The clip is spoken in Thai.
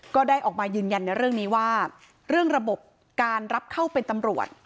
ก็ได้ออกมายืนยันในเรื่องนี้ว่าเรื่องระบบการรับเข้าเป็นตำรวจ